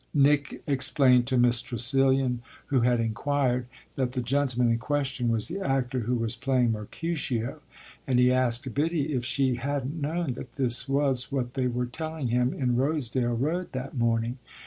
Nick explained to Miss Tressilian, who had inquired, that the gentleman in question was the actor who was playing Mercutio, and he asked Biddy if she hadn't known that this was what they were telling him in Rosedale Road that morning.